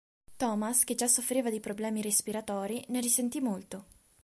Thomas, che già soffriva di problemi respiratori, ne risentì molto.